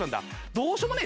どうしようもねえ